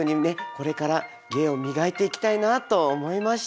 これから芸を磨いていきたいなと思いました。